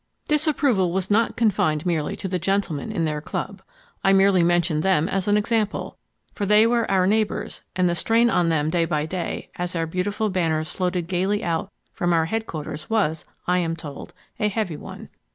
Disapproval was not confined merely to the gentlemen in their Club. I merely mention them as an example, for they were our neighbors, and the strain on them day by day, as our beautiful banners floated gaily out from our headquarters was, I am told, a heavy one.